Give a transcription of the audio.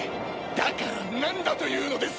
だからなんだというのです？